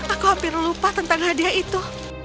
aku hampir lupa tentang hadiah itu